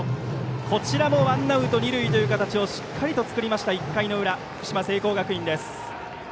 こちらもワンアウト、二塁という形をしっかりと作りました、１回の裏。